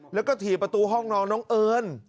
แล้วก็ถี่ประตูห้องนอนน้องเอิญ